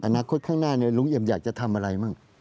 อนาคตข้างหน้าลุงเอี่ยมอยากจะทำอะไรบ้าง